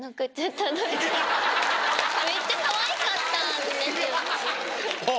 めっちゃかわいかったんですよ。